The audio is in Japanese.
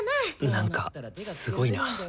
なんかすごいな。